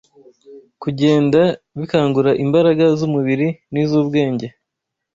kugenda bikangura imbaraga z’umubiri n’iz’ubwenge